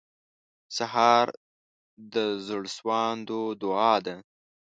سهار د زړسواندو دعا ده.